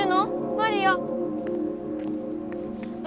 マリア。わ！